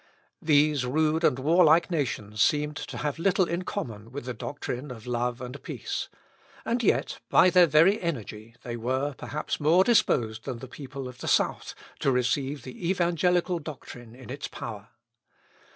These rude and warlike nations seemed to have little in common with the doctrine of love and peace. And yet, by their very energy, they were, perhaps, more disposed than the people of the South to receive the evangelical doctrine in its power.